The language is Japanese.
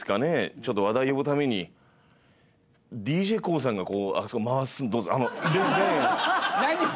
ちょっと話題呼ぶためにＤＪＫＯＯさんがあそこ回すレーンを。